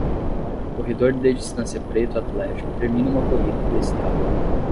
Corredor de distância preto atlético termina uma corrida de estrada